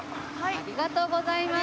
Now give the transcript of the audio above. ありがとうございます。